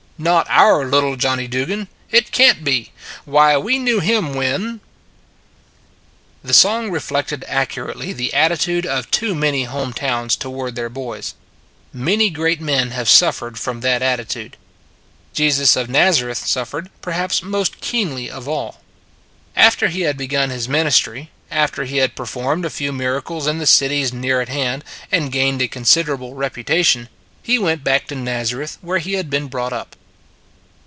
Not our little Johnny Dugan. It can t be. Why we knew him when The song reflected accurately the atti tude of too many home towns toward their boys. Many great men have suffered from that attitude: Jesus of Nazareth suf fered, perhaps, most keenly of all. " Little Johnny Dugan? 29 After He had begun His ministry; after He had performed a few miracles in the cities near at hand and gained a consider able reputation, " He went back to Naz areth where He had been brought up."